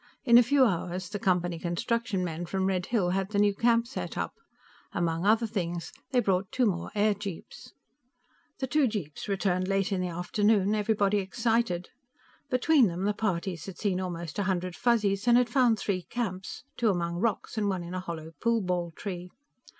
In a few hours, the Company construction men from Red Hill had the new camp set up. Among other things, they brought two more air jeeps. The two jeeps returned late in the afternoon, everybody excited. Between them, the parties had seen almost a hundred Fuzzies, and had found three camps, two among rocks and one in a hollow pool ball tree.